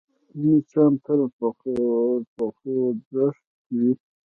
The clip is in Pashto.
مچان تل په خوځښت کې وي